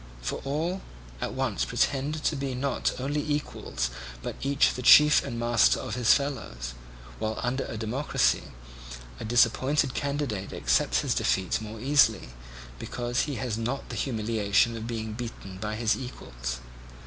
For all at once pretend to be not only equals but each the chief and master of his fellows; while under a democracy a disappointed candidate accepts his defeat more easily, because he has not the humiliation of being beaten by his equals.